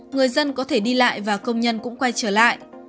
người dân có thể đi lại và công nhân cũng quay trở lại